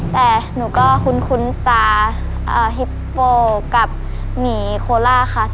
แต่หนูก็คุ้นตาฮิปโปกับหมีโคล่าค่ะ